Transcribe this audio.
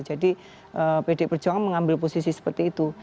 jadi pd perjuangan mengambil posisi seperti itu